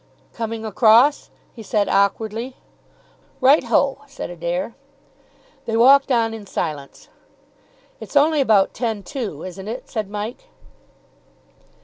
"Coming across?" he said awkwardly. "Right ho!" said Adair. They walked on in silence. "It's only about ten to, isn't it?" said Mike.